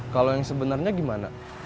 kalau yang sebenarnya gimana